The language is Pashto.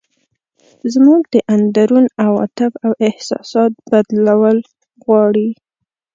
زموږ د اندرون عواطف او احساسات بدلول غواړي.